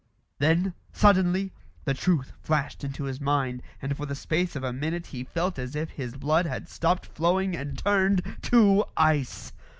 Then, suddenly, the truth flashed into his mind, and for the space of a minute he felt as if his blood had stopped flowing and turned to ice.